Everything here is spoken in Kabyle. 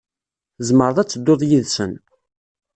Tzemreḍ ad tedduḍ yid-sen.